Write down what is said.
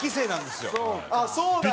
あっそうなんや。